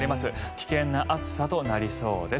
危険な暑さとなりそうです。